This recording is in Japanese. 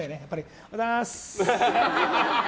おはようございます！